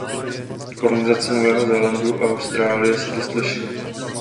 Kolonizace Nového Zélandu a Austrálie se dost lišily.